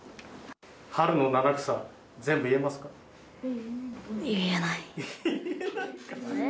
春の七草、全部言えますか。